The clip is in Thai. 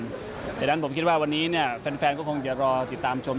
เพราะฉะนั้นผมคิดว่าวันนี้แฟนก็คงจะรอติดตามชม